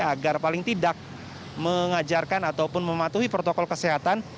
agar paling tidak mengajarkan ataupun mematuhi protokol kesehatan